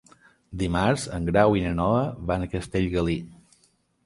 Dimarts en Grau i na Noa van a Castellgalí.